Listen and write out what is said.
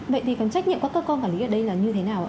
vậy thì cái trách nhiệm của các con quản lý ở đây là như thế nào ạ